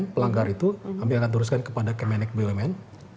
pelanggar itu kami akan teruskan kepada kemenik bumn